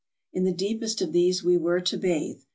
In the deepest of these we were to bathe.